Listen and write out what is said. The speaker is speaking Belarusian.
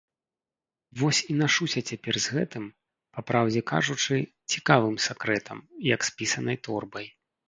Вось і нашуся цяпер з гэтым, папраўдзе кажучы, цікавым сакрэтам, як з пісанай торбай.